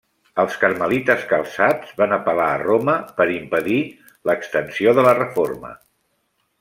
Els carmelites calçats van apel·lar a Roma per impedir l'extensió de la reforma.